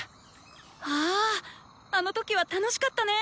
ああの時は楽しかったね！